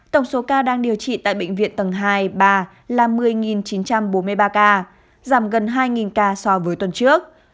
tổng số ca đang điều trị tại bệnh viện tầng hai ba là một mươi chín trăm bốn mươi ba ca giảm gần hai ca so với tuần trước